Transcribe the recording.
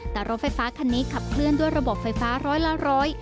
แต่รถไฟฟ้าคันนี้ขับเคลื่อนด้วยระบบไฟฟ้าร้อยละร้อย